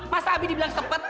masa abi dibilang sepet